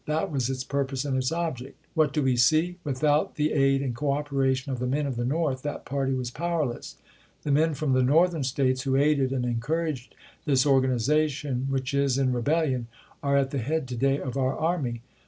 That was its purpose and its object. What do we see? Without the aid and cooperation of the men of the North that party was powerless. The men from the Northern States who aided and encouraged this organization which is in rebel lion are at the head to day of oui" army.